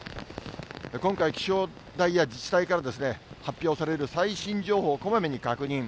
今回、気象台や自治体から発表される最新情報をこまめに確認。